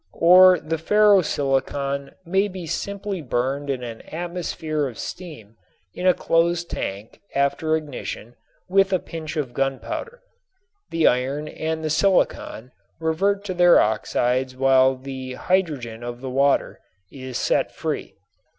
Or the ferro silicon may be simply burned in an atmosphere of steam in a closed tank after ignition with a pinch of gunpowder. The iron and the silicon revert to their oxides while the hydrogen of the water is set free.